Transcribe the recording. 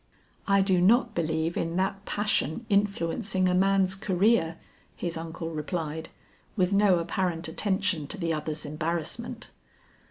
"I do not believe in that passion influencing a man's career," his uncle replied with no apparent attention to the other's embarrassment.